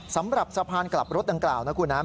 สำหรับสะพานกลับรถดังกล่าวนะครับ